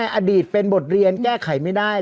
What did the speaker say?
อย่างค่ะอดีตเป็นบทเรียนแก้ไขไม่ได้